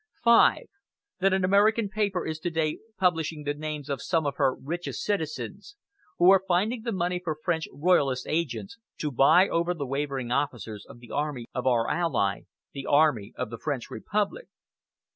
"5. That an American paper is to day publishing the names of some of her richest citizens, who are finding the money for French Royalist agents, to buy over the wavering officers of the army of our ally, the army of the French Republic!